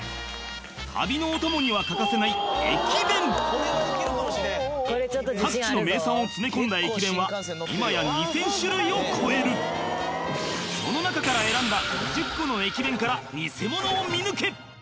旅のお供には欠かせない各地の名産を詰め込んだ駅弁は今やその中から選んだ２０個の駅弁からニセモノを見抜け！